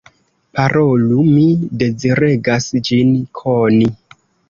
Parolu; mi deziregas ĝin koni.